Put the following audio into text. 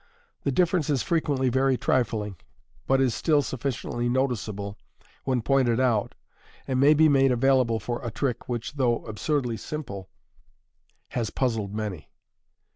The difference i£ frequently very trifling, but is still sufficiently notice able when pointed out, and may be made available for a trick which, though absurdly simple, has puzzled many.